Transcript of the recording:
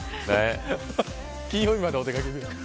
金曜日までお出掛け日和です。